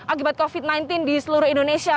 akibat covid sembilan belas di seluruh indonesia